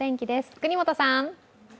國本さん。